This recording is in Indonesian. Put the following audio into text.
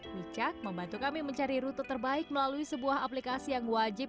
micak membantu kami mencari rute terbaik melalui sebuah aplikasi yang wajib